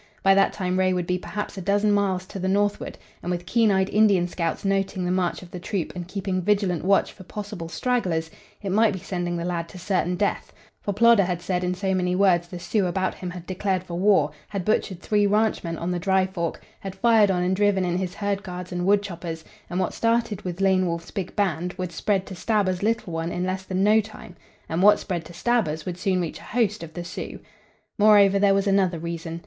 By that time Ray would be perhaps a dozen miles to the northward, and with keen eyed Indian scouts noting the march of the troop and keeping vigilant watch for possible stragglers, it might be sending the lad to certain death, for Plodder had said in so many words the Sioux about him had declared for war, had butchered three ranchmen on the Dry Fork, had fired on and driven in his herd guards and wood choppers, and, what started with Lane Wolf's big band, would spread to Stabber's little one in less than no time, and what spread to Stabber's would soon reach a host of the Sioux. Moreover, there was another reason.